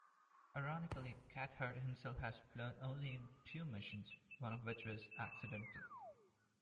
Ironically, Cathcart himself has only flown in two missions, one of which was accidental.